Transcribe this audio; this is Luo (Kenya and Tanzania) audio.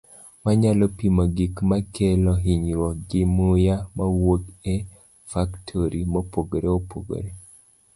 Wanyalo pimo gik ma kelo hinyruok gi muya mawuok e faktori mopogore opogore.